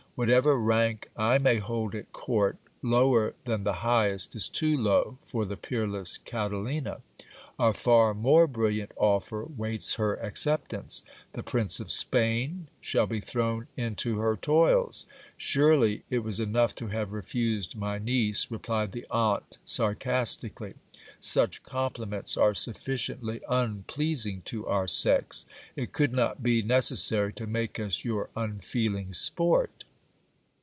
Whatever rank I may hold at court, lower than the highest is too low for the peerless Catalina. A far more brilliant offer waits her acceptance ; the Prince of Spain shall be thr.own into her toils. Surely it was enough to have refused my niece, replied the aunt sarcastically ; such compliments are sufficiently unpleasing to our sex ; it could not be neces sary to make us your unfeeling sport.